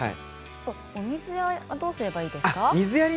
水はどうすればいいですか。